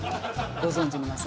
ご存じの。